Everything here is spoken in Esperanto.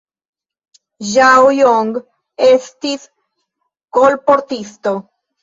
Ĝao Jong estis kolportisto.